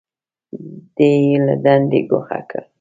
دی یې له دندې ګوښه کړ.